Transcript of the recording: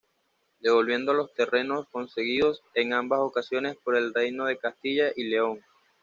Devolviendo los terrenos conseguidos en ambas ocasiones por el reino de Castilla y León.